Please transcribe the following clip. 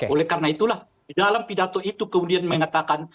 oleh karena itulah dalam pidato itu kemudian mengatakan